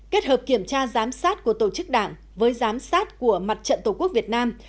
kết hợp kiểm tra giám sát của tổ chức đảng với giám sát của mặt trận tổ quốc việt nam